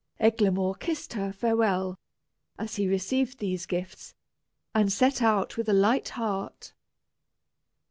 Eglamour kissed her farewell, as he received these gifts, and set out with a light heart.